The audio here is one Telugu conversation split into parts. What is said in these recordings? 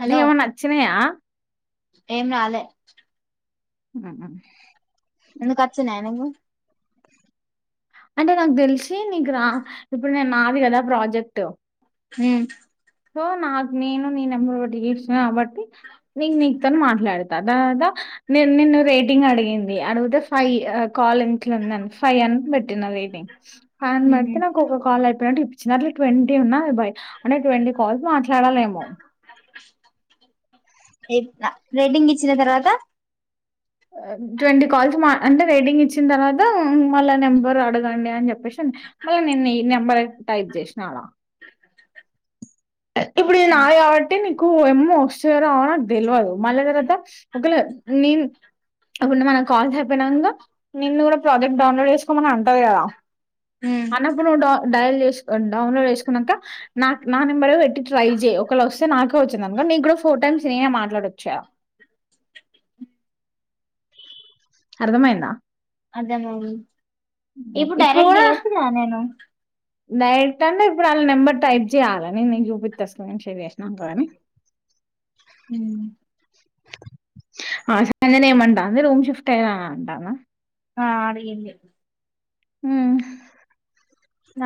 హలో నీకేమన్నా నచ్చినాయా? ఏం రాలే ఉ అందు కచ్చనయనంగ అంటే నాకు తెలిసి నీకు రా ఇప్పుడున నాది కదా ప్రాజెక్ట్ మ్ సో నాకు నేను నీ నెంబర్ ఒకటి ఇసా కాబట్టి, నేను నీకుతో మాట్లాడతా, తర్వాత నిన్ను రేటింగ్ అడిగింది అడిగితే ఫైవ్ ఇ కాల్ ఇంట్లో ఉందండి ఫైవ్ అన్న పెట్టిన రెటింగ్ ఫైవ్ అని పడితే నాకు ఒక కాల్ అయిపొ చిన్నార్లు ట్వంటీ ఉన్నా భై అనే ట్వంటీ కాల్స్ మాట్లాడాలేమో పిన రెటింగ్ ఇచ్చిన తర్వాత ట్వంటీ కాల్స్ మా అంటే రేటింగ్ ఇచ్చిన తర్వాత, మళ్ళా నెంబర్ అడగండి అని చెప్పేసి మళ్ళీ నేను ఈ నెంబర్ టైప్ చేసిన అలా ఇప్పుడు నాయవటే ని కు ఏమో వస్తరో రావో నాకు తెల్వదు, మళ్ళీ తర్వాత ఒకళ నే ఇప్పుడు మనకు కాల్స్ అయిపోయినంక, నిన్ను కూడా ప్రాజెక్ట్ డౌన్లోడ్ చేసుకోమని అంటంది కదా అన్నప్పుడు నువ్వు డ డయల్ చేస్ డౌన్లోడ్ చేసుకున్నాక నా నా నెంబర్ పెట్ ట్రై జెయ్ ఒకళ వొస్తే నాకే వచ్చింది అనుకో నీగ్గుడా ఫోర్ టైమ్స్ నేనే మాట్లాడొచ్చా అర్దమైందా అర్ధమవు ఇప్పుడు డైరెక్ట్ చేయచ్చు గా నేను డైరెక్ట్ అంటే ఇప్పుడు వాళ్ళ నెంబర్ టైప్ చేయాలని నేను నీకు చూపిత్తా స్క్రీన్ షేర్ చేసినంకా గానీ హ్మ్ ఆ సంజనే ఏమంటాంది రూమ్ షిఫ్ట్ అయిన అంటాన ఆ అడిగింది మ్మ్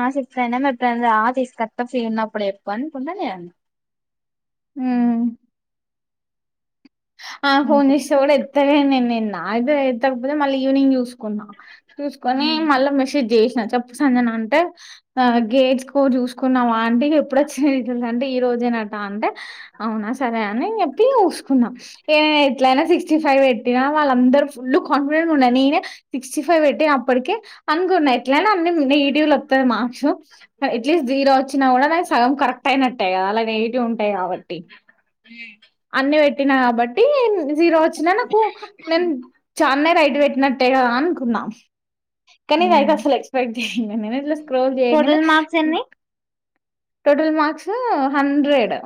ఆ షిఫ్ట్ అయిన ఎప్పుడైనా రా తీసుకస్తా ఫీ ఉన్నప్పుడు చెప్పు అనుకున్న నేన్ మ్మ్ ఆమె పోన్ అంతే చేష కూడా ఎత్తనేనెను నాయితే ఎకపోతే మళ్ళీ ఈవినింగ్ చూసుకున్నా చూసుకొని మళ్ళా మెసేజ్ చేసిన చెప్పు సంజన అంటే ఆ గేట్స్కో చూసుకున్నాం ఆంటికి ఎప్పుడుచ్చిన డీటెల్స్ అంటే ఈ రోజేనట అంటే అవునా సరే అని చెప్పి చూసుకున్నాం ఏ ఎట్లయినా సిక్స్టీ ఫైవ్ పెట్టినా వాళ్ళందరుూ ఫుల్ కాన్ఫిడెంట్స్ ఉన్న నేనే సిక్స్టీ ఫైవ్ పెట్టి అప్పటికే అనుకున్నా ఎట్లయినా అన్ని నెగిటివ్ లు వతుంది మార్క్స్ కానీ అట్లీస్ట్ జీరో వచ్చినా కూడా నాకు సగం కరెక్ట్ అయినట్టాయి కదా అలా నెగిటివ్ ఉంటాయి కాబట్టి మ్మ్ అన్ని పెట్టినా కాబట్టి జీరో వచ్చిన నాకు నేను చాన్నై రైట్ పెట్టి ఉన్నట్టే గద అనుకున్నా కాని ఇదయితే అసలు ఎక్స్పెక్ట్ చేయలే మేమే పిలుస్ ట్రోల్ చెయ్యంగానే టోటల్ మార్క్స్ ఎన్ని టోటల్ మార్క్స్ హండ్రెడ్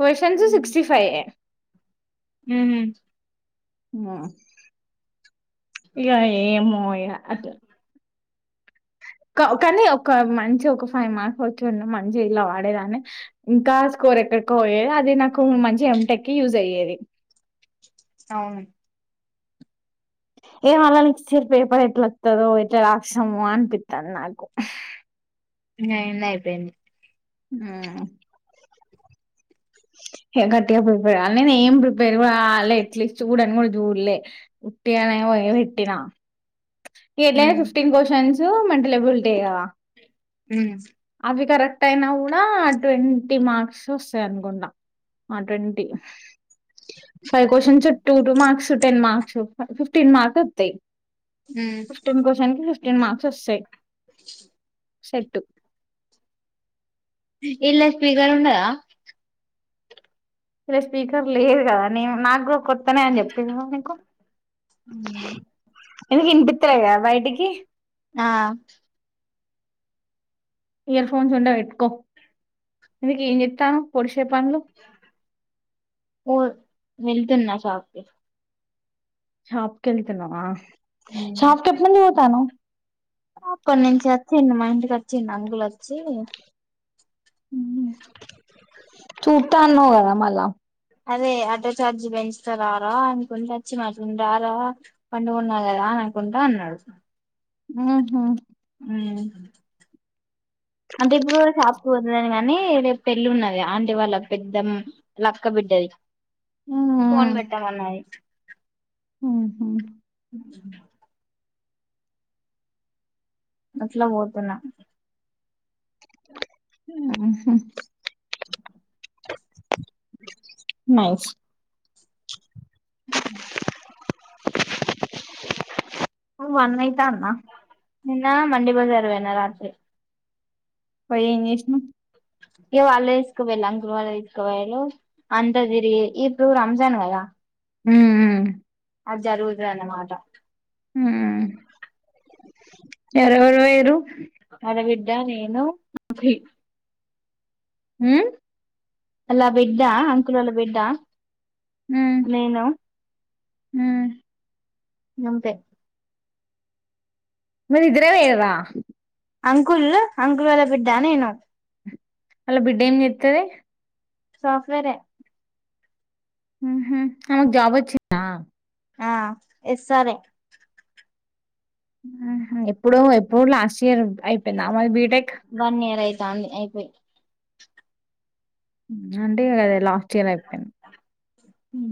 క్వశ్చన్స్ మ్మ్ సిక్స్టీ ఫైవ్ హ్మ్ ఆ ఇక ఏమో అయ అది క కానీ ఒక మంచి ఒక ఒక ఫై మార్స్ వచ్చిన మంచి ఇలా వాడేదాని ఇంకా స్కోర్ ఎక్కడికో పోయేది అది నాకు మంచి ఎమ్ టెక్ కి యూజ్ అయ్యేది అవును ఏం అళ నెక్స్ట్ పేపర్ ఎట్లా వత్తదో ఎట్లా రాస్తామో అనిపితాను నాకు నినీ అయిపోయింది మ్మ్ హే గట్ టిగా ప్రిపేర్యాలి నే ఏం ప్రిపేర్ కూడాాలి ఎట్లీస్ట్ చూడడి కూడా చూడ్లే ఉట్టిగానే పోయి పెట్ టినా ఎట్లైన ఫిఫ్టీన్ క్వశ్చన్స్ సు మంటిల బుల్టేగా మ్మ్ అవి కరెక్ట్ అయినా గూడా ఆ ట్వంటీ మార్క్స్ వస్తాయి అనుకుంటా ఆ twenty five questions to two marks ten marks fifteen mark వొత్తాయ్ ఫిఫ్టీన్ క్వశన్స్కి ఫిఫ్టీన్ మార్క్స్ వస్తాయ్ సెట్టు ఇల్లేస్ ఫ్రీగానే ఉన్నదా ఇలే స్పీకర్ లేదు గదా నేను నాగ్గూ కొ త్తనే అని చెప్తి కదా నీకు ఎందుకు ఇన్పిత్తలేగా బయటికి ఆ ఇయర్ఫోన్స్ ఉంటే పెట్కొ ఎందుకు ఏం జేత్తన్నావ్ పొ పో వె తన్నా షాపుకి షాప్ కి వెళ్తున్నావా షాఫ్ కట్ లో ను తను అక్కన్నుంచి వచ్చిండు మా ఇంటికి వచ్చిండు అంగులు వొచ్చి చూట్టా అన్న కద మళ అదే ఆటో చార్జి పెంచుతారా రా అనుకుంటా వచ్చి మాట్ండారా పండుగన్నా కదా అని అనుకుంటా అన్నాడు ఉ హు మ్ అంటే ఇప్పుడు కూడా షాప్ పోతుని కానీ, రేప్ పెళ్ళి ఉన్నది ఆంటే వాళ్ళ పెద్ద లక్కబిడ్డది కోన్ బెట్టామన్నాయి మ్ హు బస్లో పోతున్నా మ్ నైస్ వన్యిత అన్నా నిన్న మండి బజారు పోయినా రాత్రి పొయ్ ఎం చేసినవ్ ఇ వాళ్ళు తీసుకు పోయిల్లు అంకులు వాళ్ళ తీసుకోపోయిళ్ళు, అంతా తిరిగి, ఇప్పుడు రంజాన్ కదా మ్ మ్ అది జరుగుతదిఅనమాట మ్ ఎవరెవరు పోయిర్రు జ నేను శ్రీ హు ఆల బిడ్డా అంకులోల్ల బిడ్డా నేనా హుమ్ అంతే మరి ఇద్రే పోయినరా అంకుల్ అంకుల్ వలా అనకూడద నేను అలా బిడ్డ ఏం జెత్తది సోఫ్ట్వేర్ ఏ హు ఆమెకు జాబు వచ్చిందా ఆ ఎస్ ఆర్ ఎ హుహు ఎప్పుడు ఎప్పుడు లాస్ట్ ఇయర్ అయిపోయింది ఆమెది బీ వన్ ఇయర్ చా అయిపోయి అంతే కదా లాస్ట్ [unintelligible] హు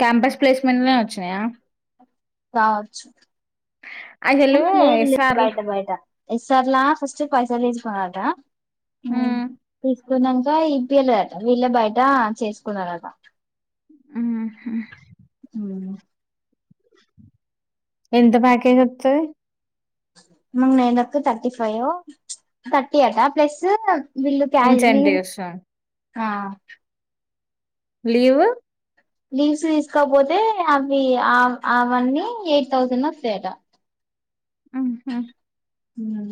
క్యాంపస్ ప్లేస్మెంట్ వచ్చినాయా కావచ్చు అసలు లేదు లేదు ఎస్ఆర్ బయట బయట ఎస్ఆర్లా ఫర్స్ట్ పైసా తీసుకున్నారట హు ఉమ్, అకున్నాక ఇప్పియాలేదుట వీళ్ళ బయట చేసుకున్నారురట ఉహు హు ఎంత ప్యాకేజ్ వత్తాది. [unintelligible] తర్టీ ఫైవ్ తర్టీ ఆటా ప్లస్ బిల్లు [unintelligible] ఇన్సెంటివ్స్ ఆ లీవు లీవ్స్ తీసుకోపోతే అవి అవన్నీ ఎయిట్ థౌసండ్ వస్తాయట ఆహా హు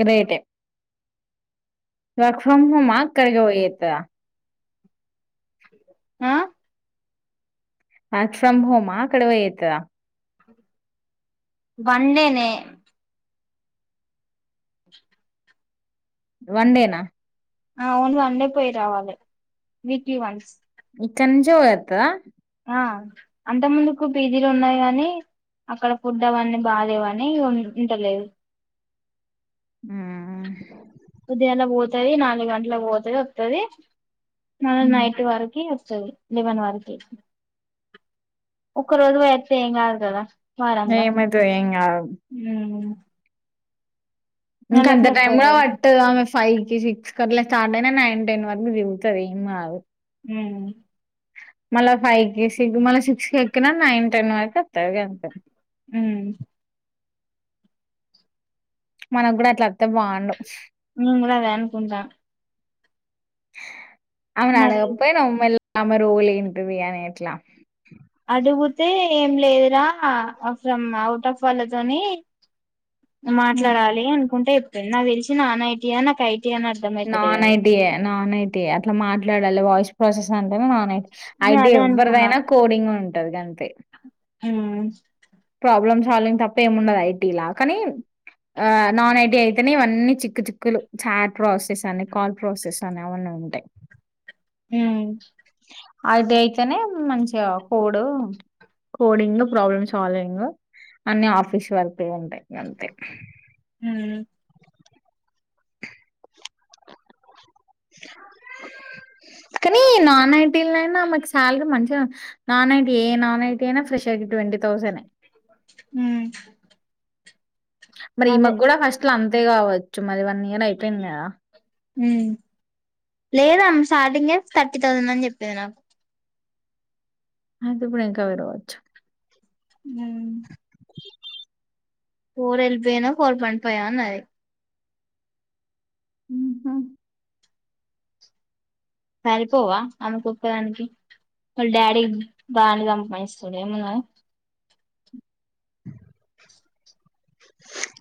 గ్రేటె వర్క్ ఫ్రమ్ హోం అక్క ఇగ పోయత్తద ఆ ఆ వర్క్ ఫ్రమ్ హోమ్ ఆక్కడ పోయి అతుదా వన్డే నే వన్ డే నా ఆ ఓన్లీ వన్డే పోయి రావాలి వీక్లీ వన్స్ ఇక్కడ నుంచే పోయత్తద హా అంత ముందుకు బిజిలు ఉన్నాయి కానీ అక్కడ ఫుడ్ అవన్నీ బాలేేవని ఉంటలేదు ఆ ఊమ్ ఉదయంల పోతుది నాలుగు గంటల పోతుది వత్తది మల్లా ఉమ్. నైట్ వరకి లేవన్ వరకి ఒక్క రోజు పోయి వత్తే ఎంగాదు గదా ఏం అయితది ఏం గాదు మ్మ్ నెలకు కంత టైమ్ ముప్పై కూడా వేలు వాట ఆమె ఫైవ్ క సిక్స్ ట్లా స్టార్ట్ అయినా నైన్ టెన్ వరకు దిగుతాది ఏం కాదు హుమ్ మ ఫైవ్కి సిక్ మల్ల సిక్స్ ఎక్కిన నైన్ టెన్ వరక్ అత్తది గంతె హుమ్ మనకు కూడా అట్లా అత్తే బాగుండొచ్చు [inaudible] అనుకుంటా అవునా మరి నువ్ పోయినావ్ మల్ ఆమె రోల్ ఏంటిది అని అట్లా అడుగుతే ఏం లేదురా ఫ్రమ్ అవుట్ ఆఫ్ వాళ్ళతోని హ్మ్. మాట్లాడాలి అనుకుంటే నాక్ తెలిసినా నానయిటియా నాక్ నాన్ ఐటియే నాన్ ఐటియే అట్ల మాట్లాడాలి వాయిస్ ప్రోసెస్ అంటేనే నాన్ ఐటి నేను ఐటి అదే అనుకున్నా ఎవ్వరిదైనా కోడింగ్ ఉన్ ఉంటది గంతే హుమ్ ప్రాబ్లమ్ సాల్వింగ్ తప్ప ఏముండదు ఐటీలా కానీ ఆ నాన్ ఐటీ అయితేనే ఇవన్నీ చిక్కు చిక్కు చాట్ ప్రాసెస్ అని కాల్ ప్రాసెస్ అని అవన్నీ ఉంటాయి మ్ అది అయితేనే మంచిగా కోడు, కోడింగ్ ప్రాబ్లమ్ సాల్వింగ్ అన్ని ఆఫీస్ వర్క్ టే ఉంటా అంతె ఉమ్ కానీ నాన్ ఐటీల అయినా మాకి శాలరీ మంచిగా, నాన్ ఐటీ ఏ నాన్ ఐటీ అయినా ఫ్రెష్ ట్వంటీ థౌసేన్ హె మ్ మరి ఈ మగ్ కూడా ఫస్ట్లు అం అంతే కావచ్చు మరి వన్ ఇయర్ అయిపోయింది కదా మ్ లేదామ్ స్టార్టింగే థర్టీ థౌసండ్ అని చెప్పింది నాకు అయితే ఇప్పుడు ఎంకా వేరువచ్చు ఉ పో రెల్వేనా కాల్ పంపోయా నాయి మ్ హు సారిపోవా అమెకు ఒక్కధాని కి వల్లా డాడీ బానే సంపాదిస్తాడు ఎం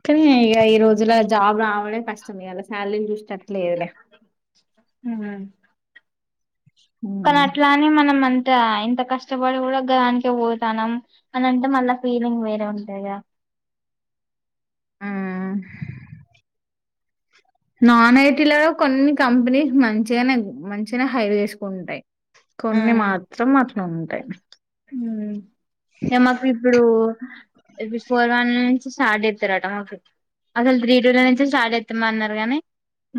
కానీ ఇ ఈ రోజులా జా రావడమే కష్టమే గా సాలరి [unintelligible] లేవులే మ్ హు కాన అట్లానే మనం అం ఇ ఇంత కష్టపడి కూడా దానికే పోతానం, అని అంటే మళ్ళా ఫీలింగ్ వేరే ఉంటాయి కద మ్ నాన్ ఐటీలలో కొన్ని కంపెనీ మంచిగానే మ చిన హై వేసుకుంటాయి కొన్ని మాత్రం అట అంతే ఉ మాకు ఇప్పుడుి ఫోర్ వన్ నుంచి స్టార్ట్ చేస్తారట మాకు అసలు త్రీ టూల నుంచి స్టార్ట్ చేస్తామ అన్నారు గానీ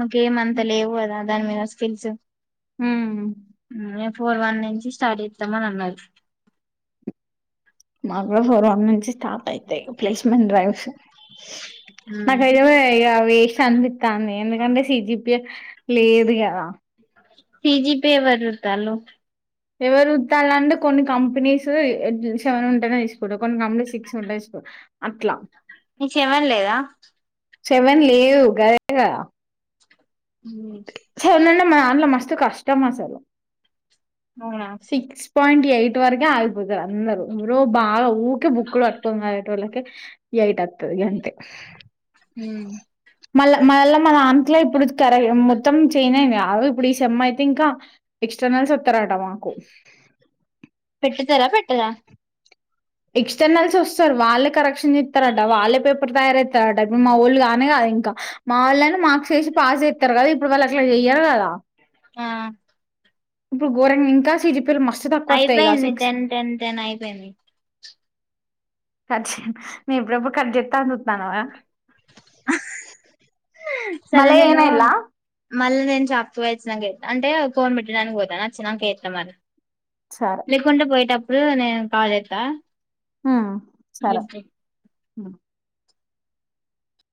మాకు ఏమంత లేవు కదా దాని మీద స్కిల్స్. ఉమ్. ఎ ప్ ఫోర్ వన్ నుంచి స్టార్ట్ చేస్తామని అన్నారు. మల ఫోర్ వన్ నుంచి స్టార్ట్ అయితే ప్లేస్మెం ్రైవ్ నాకైతే ఇగ అవి వేస్ట్ అనిపితంది ఎందుకంటే సిజిపి. లేదుగాదా C G P A better తల్లో ఎవరైతాలాంట్టే కొన్ని కంపెనీసు సెవెన్ ఉంటది కొన్ని కొన్ని కంపెనీస్ సెక్స్ ఉండాయి స్కోర్ అట్లా నీ సెవెన్ లేదా సవన్ లేవు గదే కదా ఉ [unintelligible] మ అన్లో మస్తు కష్టమా అసలు అవునా సిక్స్ పాయింట్ ఎయిట్ వరగ ఆగీపోతుారు అందరు ఎవరో బాగా ఊ కే బుక్లు పట్టుకొని చదివేటోళ్ళకే ఎయిట్ అతది అంత హ మళ్ల మ దాంట్లో ఇప్పుడు కర మొత్తం చేంజ్ అయిందిగా అవు ఇప్పుడు ఈ సేమ్ అయితే ఇంకా ఎక్స్టర్నల్ వాత్తరా అటమాకు పెట్టుతరా పెట్టరా ఎక్స్టర్నల్స్ వస్తారు వాళ్ళే కరెక్షన్ చేస్తారట వాళ్ళే పేపర్ తయారుస్తారట ఇప్పుడు మా ఊళ్ళు గానే కాదు ఇంకా మా వాళ్ళనా మార్క్స్ చేసి పాస్ చేస్తారు గద ఈ పూడు వాలు అట్లా చెయ్యారూ కదా ఆ ఇప్పుడు గోరామ్ ఇంకా సిజీ అయిపోయింది టెన్ టెన్ టెన్ అయిపోయింది కర్చ నేను ఎప్పుడు ఎప్పుడు కట్ చెత్త అ చతుానవ. మళ సరే నేను ఏనైలా మళ్ళీ నేను చాపో వచ్చినాక అంటే ఫోన్ పెట్టడానికి పోతాను నచ్చినాక ఏతుా మరి సరే లేకుంట పోయట ఉ నేను కాల్ చేస్తా మ్ సరె లిఫ్ట్ ఉ